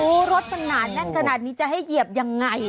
รถมันหนาแน่นขนาดนี้จะให้เหยียบยังไง